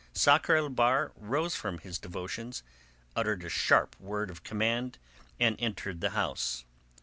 Sakr el Bahr rose from his devotions, uttered a sharp word of command, and entered the house.